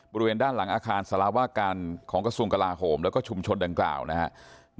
บริเวณด้านหลังอาคารสารวาการของกระทรวงกลาโหมแล้วก็ชุมชนดังกล่าวนะครับ